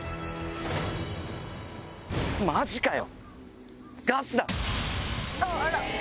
マジかよ